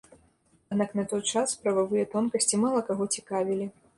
Аднак на той час прававыя тонкасці мала каго цікавілі.